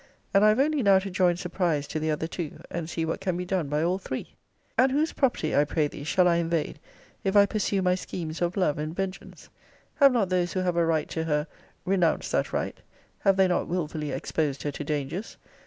* And I have only now to join surprise to the other two, and see what can be done by all three. * See Vol. III. Letter XVI. And whose property, I pray thee, shall I invade, if I pursue my schemes of love and vengeance? Have not those who have a right to her renounced that right? Have they not wilfully exposed her to dangers?